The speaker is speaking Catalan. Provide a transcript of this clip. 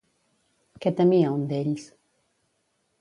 Què temia un d'ells?